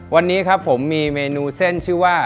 วันนี้ครับผมมีเมนูเส้นชื่อว่า